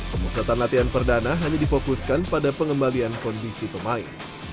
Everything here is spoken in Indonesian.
pemusatan latihan perdana hanya difokuskan pada pengembalian kondisi pemain